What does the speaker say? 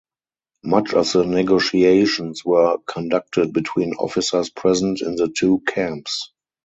Much of the negotiations were conducted between officers present in the two camps.